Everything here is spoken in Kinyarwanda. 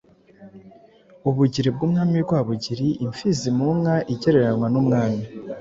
ubugiri bw'umwami Rwa-bugili. Imfizi mu nka igereranywa n'Umwami